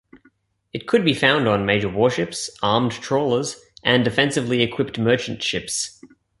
It could be found on major warships, armed trawlers and defensively equipped merchant ships.